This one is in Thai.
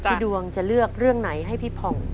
ดวงจะเลือกเรื่องไหนให้พี่ผ่อง